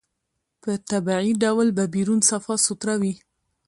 په طبيعي ډول به بيرون صفا سوتره وي.